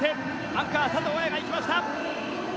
アンカー、佐藤綾が行きました！